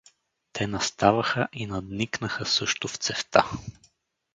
Те наставаха и надникнаха също в цевта.